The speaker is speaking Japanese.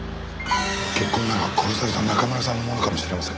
血痕なら殺された中村さんのものかもしれません。